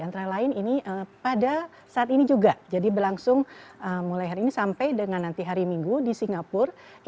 antara lain ini pada saat ini juga jadi berlangsung mulai hari ini sampai dengan nanti hari minggu di singapura